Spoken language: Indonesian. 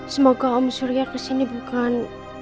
semoga om surya kesini bukan